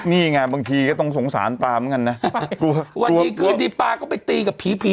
นี่ไงบางทีก็ต้องสงสารปลาเหมือนกันนะวันนี้คืนดีปลาก็ไปตีกับผีผี